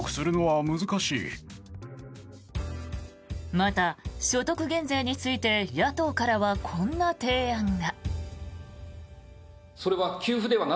また、所得減税について野党からはこんな提案が。